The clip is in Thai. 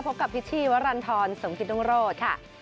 พบกับพิษชีวรรณฑรสมฤทธิ์ตรงโลศค่ะ